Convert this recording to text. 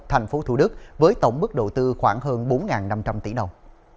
tp thủ đức với tổng mức đầu tư khoảng hơn bốn năm trăm linh tỷ đồng